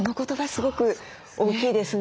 すごく大きいですね。